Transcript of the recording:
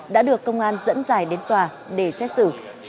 đã được công an dẫn dài đến tòa để xét xử